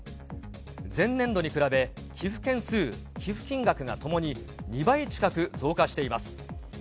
前年度に比べ寄付件数、寄付金額がともに２倍近く増加しています。